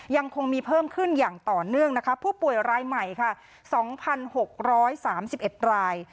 ยังคงมีเพิ่มขึ้นอย่างต่อเนื่องนะคะผู้ป่วยรายใหม่ค่ะ๒๖๓๑ราย